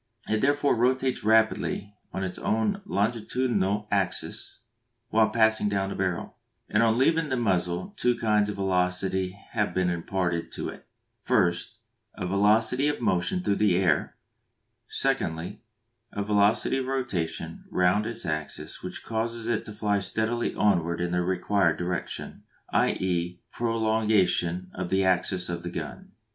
It therefore rotates rapidly upon its own longitudinal axis while passing down the barrel, and on leaving the muzzle two kinds of velocity have been imparted to it; first, a velocity of motion through the air; secondly, a velocity of rotation round its axis which causes it to fly steadily onward in the required direction, i.e. a prolongation of the axis of the gun.